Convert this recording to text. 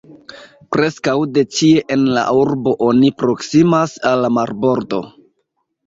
Preskaŭ de ĉie en la urbo oni proksimas al la marbordo.